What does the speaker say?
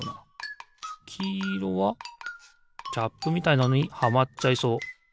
きいろはキャップみたいなのにはまっちゃいそう。